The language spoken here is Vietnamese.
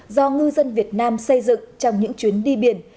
do ngư dân việt nam xây dựng trong những chuyến đi biển